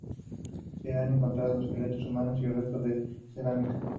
Se han encontrado esqueletos humanos y restos de cerámica.